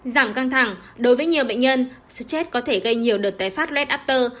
giảm căng thẳng đối với nhiều bệnh nhân stress có thể gây nhiều đợt tái phát lết after